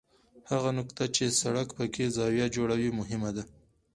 هغه نقطه چې سړک پکې زاویه جوړوي مهم ده